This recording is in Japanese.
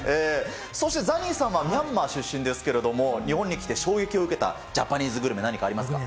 そしてザニーさんはミャンマー出身ですけど、日本に来て、衝撃を受けたジャパニーズグルメ、何かありますか。